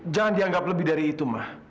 jangan dianggap lebih dari itu mah